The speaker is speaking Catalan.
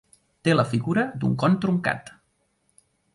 Té la figura d'un con truncat.